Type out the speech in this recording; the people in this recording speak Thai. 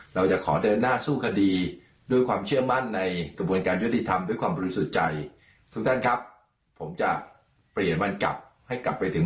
เราจะขอเดินหน้าสู้กดีด้วยความเชื่อมั่นในกระบวนการยอดีทำด้วยความบริสุทธิ์ใจ